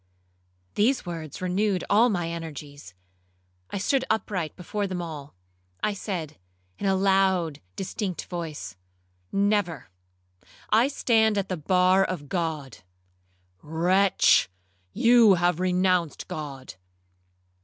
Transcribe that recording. Those words renewed all my energies. I stood upright before them all. I said, in a loud distinct voice, 'Never—I stand at the bar of God.' 'Wretch! you have renounced God.'